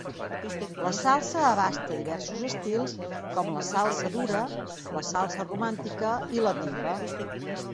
La salsa abasta diversos estils com la salsa dura, la salsa romàntica i la timba.